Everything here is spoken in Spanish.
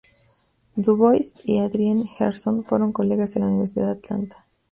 Dubois y Adrienne Herndon fueron colegas en la Universidad de Atlanta.